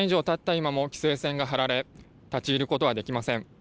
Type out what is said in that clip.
今も規制線が張られ、立ち入ることはできません。